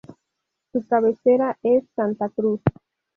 Su cabecera es Santa Cruz.